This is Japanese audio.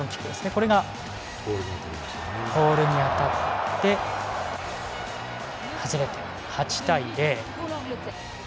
これがポールに当たって外れて８対０。